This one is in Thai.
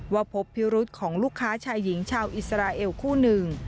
พบพิรุษของลูกค้าชายหญิงชาวอิสราเอลคู่หนึ่ง